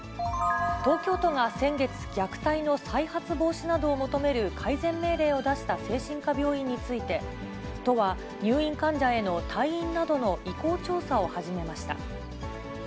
東京都が先月、虐待の再発防止などを求める改善命令を出した精神科病院について、都は入院患者への退院などの意向調査を始めました。